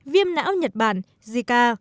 viêm não nhật bản zika